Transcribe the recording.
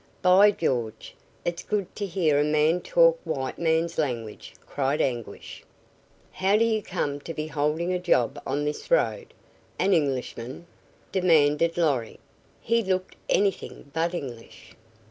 "By George, it's good to hear a man talk white man's language," cried Anguish. "How do you come to be holding a job on this road? An Englishman?" demanded Lorry. He looked anything but English.